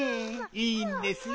いいんですよ。